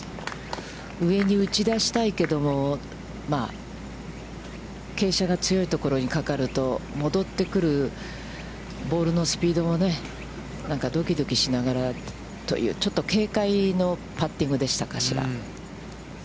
上に打ち出したいけれども、傾斜が強いところにかかると、戻ってくるボールのスピードもね、何かどきどきしながらという、ちょっと警戒のパッティングでしたかしら。